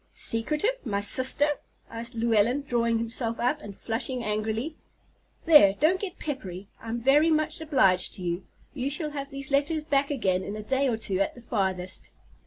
"Secretive! My sister?" said Llewellyn, drawing himself up and flushing angrily. "There, don't get peppery. I'm very much obliged to you. You shall have these letters back again in a day or two at the farthest."